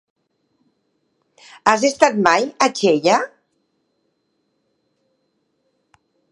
Has estat mai a Xella?